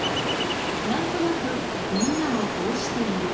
何となく「みんなもこうしている」